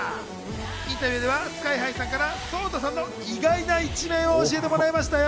インタビューではＳＫＹ−ＨＩさんからＳＯＴＡさんの意外な一面を教えてもらいましたよ。